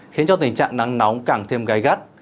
khiến cho tình trạng nắng nóng càng thêm gai gắt